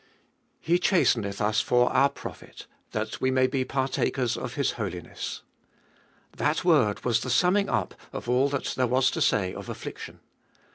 He chasteneth us for our profit, that we may be partakers of His holiness. That word was the summing up of all that there was to say of affliction.